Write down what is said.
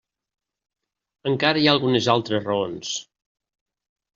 Encara hi ha algunes altres raons.